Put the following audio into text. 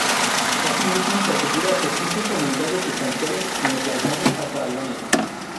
Asimismo se asegura que existen comunidades sustanciales en los Balcanes hasta Albania.